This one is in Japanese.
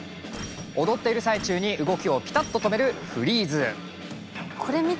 踊っている最中に動きをピタッと止めるフリーズ。